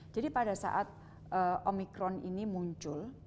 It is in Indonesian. jadi pada saat omikron ini muncul